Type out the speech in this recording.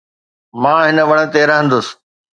مان هن وڻ تي رهندس.